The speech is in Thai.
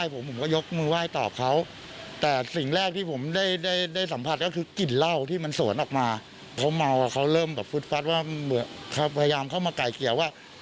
พอเขาเริ่มแบบฟุตฟัสว่าพยายามเข้ามาไก่เกี่ยวว่า